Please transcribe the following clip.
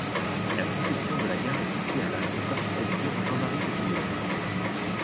La conception de la gare est confiée à l'agence d'architecture Jean-Marie Duthilleul.